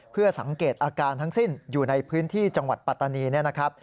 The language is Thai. เพื่อสังเกตอาการทั้งสิ้นอยู่ในพื้นที่จังหวัดปัตตานีเนี่ยนะครับ